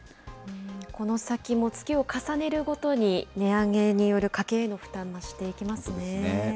この先も月を重ねるごとに、値上げによる家計への負担、増していきますね。